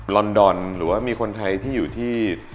อนดอนหรือว่ามีคนไทยที่อยู่ที่